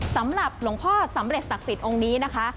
สำหรับหลวงพ่อสำเร็จศักดิ์สิทธิ์องค์นี้นะคะ